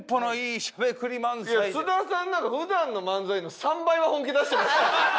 いや津田さんなんか普段の漫才の３倍は本気出してました。